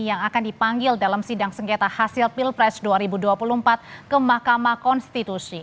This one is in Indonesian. yang akan dipanggil dalam sidang sengketa hasil pilpres dua ribu dua puluh empat ke mahkamah konstitusi